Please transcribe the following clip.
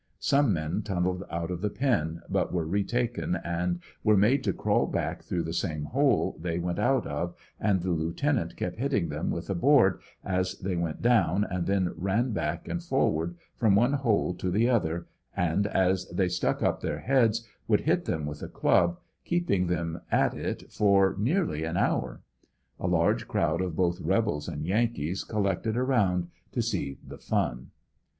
Some men tunneled out of the pen but were retaken and were made to crawl back through the same holj they went out of and the lieuten ant kept hitting them with a board as they went down and then ran back and forward from one hole to the other and as they stuck up their heads would hit them with a club, keeping them at it for nearly an hour, A large crowd of both rebels and Yankees col lected around to see the fun.